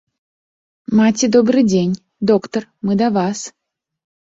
Маці добры дзень, доктар мы да вас.